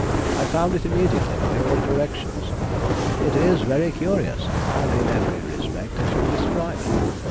I found it immediately by your directions; it is very curious, and in every respect as you describe it.